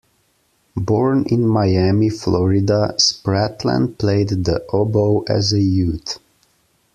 Born in Miami, Florida, Spratlan played the oboe as a youth.